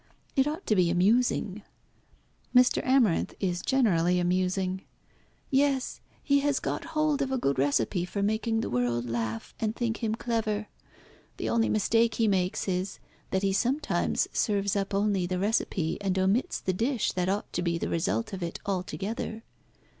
It ought to be amusing." "Mr. Amarinth is generally amusing." "Yes, he has got hold of a good recipe for making the world laugh and think him clever. The only mistake he makes is, that he sometimes serves up only the recipe, and omits the dish that ought to be the result of it altogether.